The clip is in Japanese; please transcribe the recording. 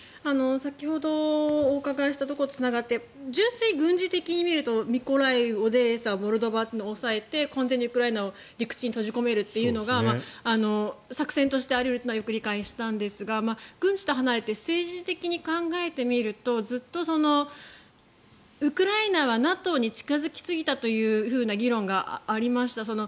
先ほどお伺いしたところとつながって純粋に軍事的なところを見るとミコライウ、オデーサモルドバを押さえて完全にウクライナを陸地に閉じ込めるというのが作戦としてあり得るというのはよく理解したんですが軍事と離れて政治的に考えてみるとずっとウクライナはＮＡＴＯに近付きすぎたというふうな議論がありました。